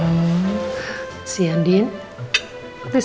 hal ini sesuatu yang khusus